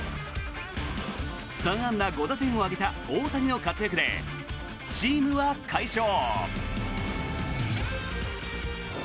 ３安打５打点を挙げた大谷の活躍でチームは快勝。